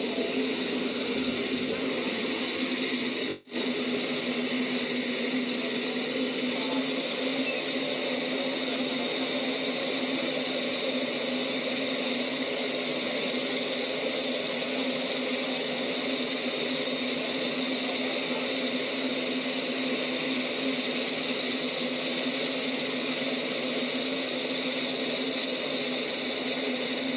ผู้บริษัทการสำนักงานตำรวจตรวจคนเข้าเมืองค่ะ